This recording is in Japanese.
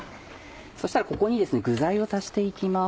そしたらここに具材を足して行きます。